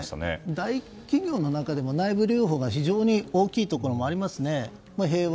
大企業の中でも内部留保が非常に大きいところがありますね。